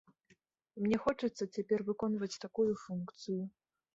Мне хочацца цяпер выконваць такую функцыю.